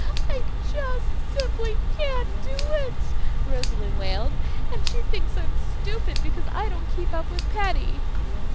"I just simply can't do it," Rosalie wailed. "And she thinks I'm stupid because I don't keep up with Patty."